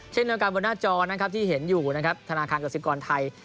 เช่นเรื่องการบนหน้าจอนะครับที่เห็นอยู่นะครับธนาคารกับซิปกรณ์ไทย